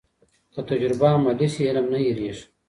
که تجربه عملي سي، علم نه هېرېږي.